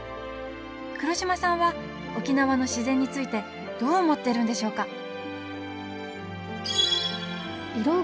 黒島さんは沖縄の自然についてどう思ってるんでしょうか